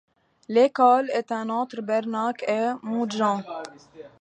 L'école est un entre Bernac et Montjean.